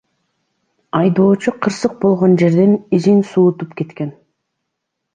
Айдоочу кырсык болгон жерден изин суутуп кеткен.